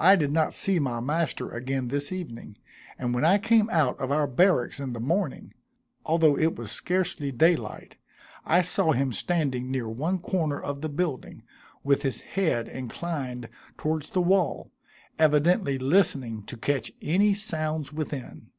I did not see my master again this evening, and when I came out of our barracks in the morning, although it was scarcely daylight, I saw him standing near one corner of the building, with his head inclined towards the wall, evidently listening to catch any sounds within.